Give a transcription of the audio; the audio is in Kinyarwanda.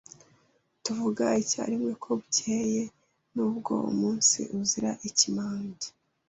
Tuvuga icyarimwe ko bukeye N’ ubwo umunsi uzira ikemange